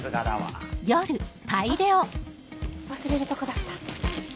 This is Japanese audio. あっ忘れるとこだった。